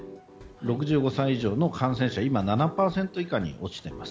６５歳以上の感染者は今、７％以下に落ちています。